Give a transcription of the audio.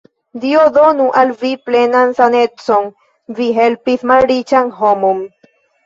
Dio donu al vi plenan sanecon! vi helpis malriĉan homon.